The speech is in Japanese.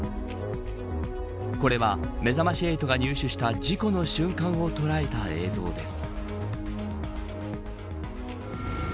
これはめざまし８が入手した事故の瞬間を捉えた映像です。